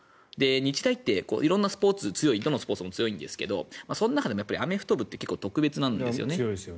日大って色んなスポーツ強いどのスポーツも強いんですがその中でアメフト部って特別なんですよね。